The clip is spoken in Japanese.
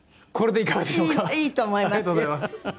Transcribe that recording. いいと思いますよ。